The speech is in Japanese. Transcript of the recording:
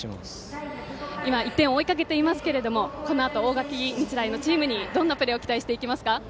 １点を追いかけていますが大垣日大のチームにどんなプレーを期待しますか？